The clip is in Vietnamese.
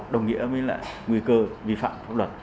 đồng nghĩa với lại nguy cơ vi phạm pháp luật